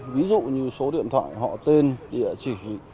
ví dụ như số điện thoại họ tên địa chỉ